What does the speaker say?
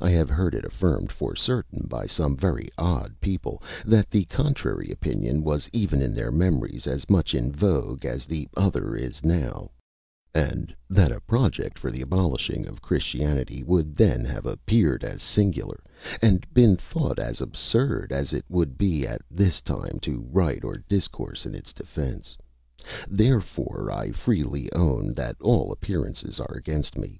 I have heard it affirmed for certain by some very odd people, that the contrary opinion was even in their memories as much in vogue as the other is now; and that a project for the abolishing of Christianity would then have appeared as singular, and been thought as absurd, as it would be at this time to write or discourse in its defence. Therefore I freely own, that all appearances are against me.